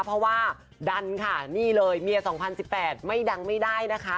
เพราะว่าดันค่ะนี่เลยเมีย๒๐๑๘ไม่ดังไม่ได้นะคะ